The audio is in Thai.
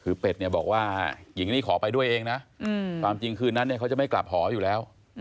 คือเป็ดเนี่ยบอกว่าหญิงนี่ขอไปด้วยเองนะความจริงคืนนั้นเขาจะไม่กลับหออยู่แล้ว